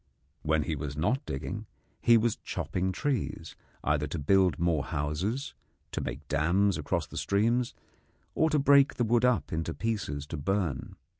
When he was not digging, he was chopping trees, either to build more houses, to make dams across the streams, or to break the wood up into pieces to burn.